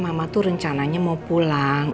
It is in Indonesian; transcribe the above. mama tuh rencananya mau pulang